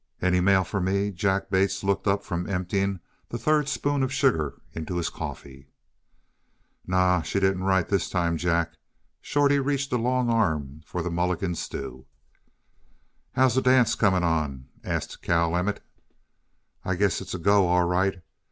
"Any mail for me?" Jack Bates looked up from emptying the third spoon of sugar into his coffee. "Naw she didn't write this time, Jack." Shorty reached a long arm for the "Mulligan stew." "How's the dance coming on?" asked Cal Emmett. "I guess it's a go, all right.